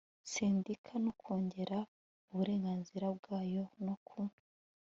sendika no kurengera uburenganzira bwayo no ku